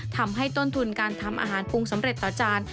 ทำให้ต้นทุนการทำอาหารปรุงสำเร็จต่อจาน